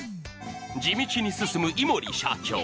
地道に進むいもり社長。